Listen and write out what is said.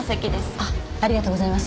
ありがとうございます。